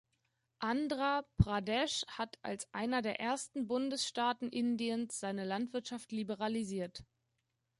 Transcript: Andhra Pradesh hat als einer der ersten Bundesstaaten Indiens seine Landwirtschaft liberalisiert.